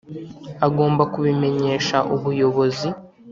agomba kubimenyesha Ubuyobozi .